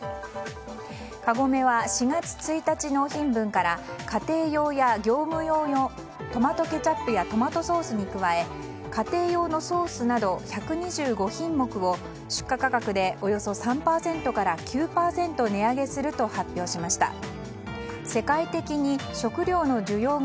カゴメは４月１日納品分から家庭用や業務用のトマトケチャップやトマトソースに加え家庭用のソースなど１２５品目を出荷価格でおよそ３％から９％値上げすると発表しました。